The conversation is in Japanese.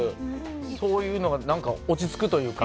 そういうのが落ち着くというか。